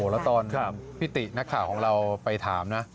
แล้วตอนพี่ตินักข่าวของเราไปถามนะ